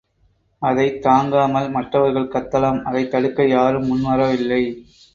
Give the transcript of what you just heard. அதைத் தாங்காமல் மற்றவர்கள் கத்தலாம் அதைத் தடுக்க யாரும் முன் வரவில்லை.